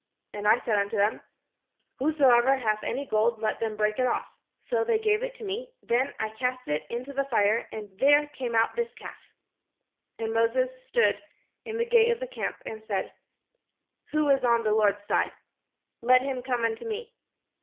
And I said unto them, 'Whosoever hath any gold, let them break it off.' So they gave it me; then I cast it into the fire and there came out this calf." Then Moses stood in the gate of the camp, and said : "Who is on the Lord's side? let him come unto me."